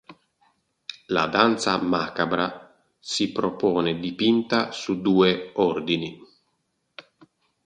La danza macabra si propone dipinta su due ordini.